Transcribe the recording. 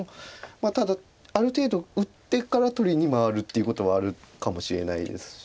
ただある程度打ってから取りに回るっていうことはあるかもしれないですし。